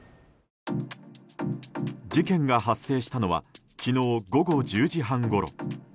事件が発生したのは昨日午後１０時半ごろ。